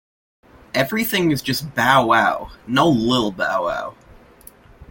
Everything is just 'Bow Wow,' no 'Lil' Bow Wow.